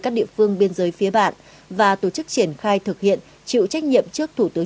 các địa phương biên giới phía bạn và tổ chức triển khai thực hiện chịu trách nhiệm trước thủ tướng